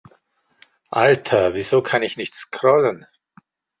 Alter, wieso kann ich nicht scrollen?